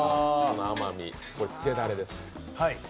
これ、つけだれです。